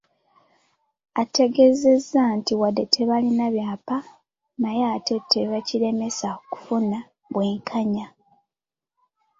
Ategezeza nti wadde tebalina byapa, naye ate tekibalemesa kufuna bwenkanya.